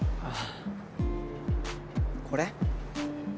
あっこれ？